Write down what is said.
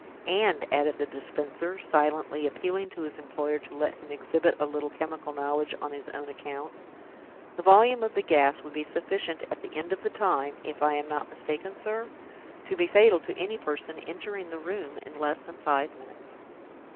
And," added the Dispenser, silently appealing to his employer to let him exhibit a little chemical knowledge on his own account, "the volume of the gas would be sufficient at the end of the time if I am not mistaken, sir? to be fatal to any person entering the room in less than five minutes."